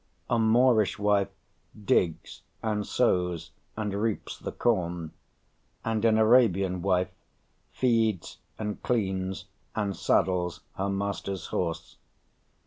A Moorish wife digs and sows and reaps the corn, and an Arabian wife feeds and cleans and saddles her master's horse.